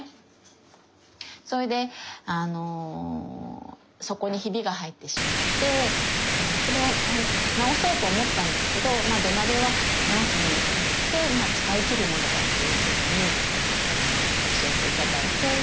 それで底にヒビが入ってしまってそれを直そうと思ったんですけど「土鍋は直すものじゃなくて使いきるものだ」っていうふうに教えて頂いて。